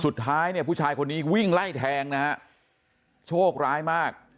สุดท้ายเนี่ยผู้ชายคนนี้วิ่งไล่แทงนะฮะโชคร้ายมาก